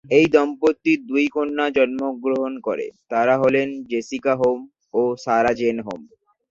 এই দম্পতির দুই কন্যা জন্মগ্রহণ করে, তারা হলেন জেসিকা হোম ও সারা-জেন হোম।